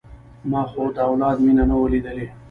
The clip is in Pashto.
ما خو د اولاد مينه نه وه ليدلې.